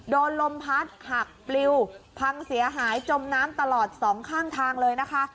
ลมพัดหักปลิวพังเสียหายจมน้ำตลอดสองข้างทางเลยนะคะ